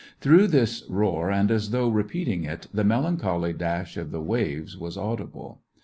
Through this roar, and as though re peating it, the melancholy dash of the waves was audible.